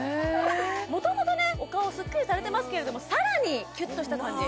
もともとねお顔スッキリされてますけれどもさらにキュッとした感じ